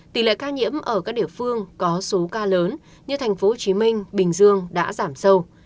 tỷ lệ ca nhiễm ở các địa phương có số ca lớn như tp hcm bình dương đã giảm sâu